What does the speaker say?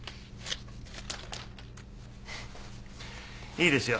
いいですよ。